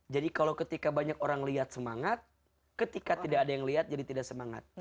jadi kalau ketika banyak orang liat semangat ketika tidak ada yang liat jadi tidak semangat